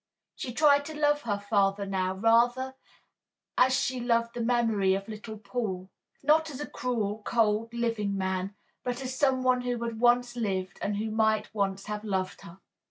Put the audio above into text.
She tried to love her father now rather as she loved the memory of little Paul not as a cruel, cold, living man, but as some one who had once lived and who might once have loved her.